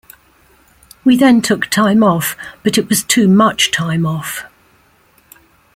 We then took time off, but it was too much time off.